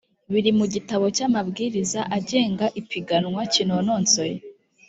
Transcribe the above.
biri mu gitabo cy’amabwiriza agenga ipiganwa kinononsoye